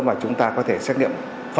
mà chúng ta có thể xét nghiệm